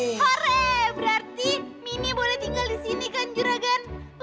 horre berarti mini boleh tinggal disini kan juragan